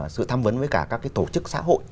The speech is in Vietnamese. sự tham vấn với cả các cái tổ chức xã hội